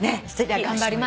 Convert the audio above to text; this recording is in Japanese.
頑張ります。